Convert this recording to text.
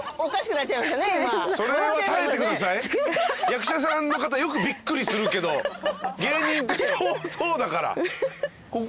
役者さんの方よくびっくりするけど芸人ってそうだから。